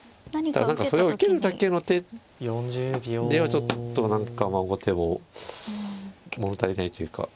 ただそれを受けるだけの手ではちょっと何か後手も物足りないというか。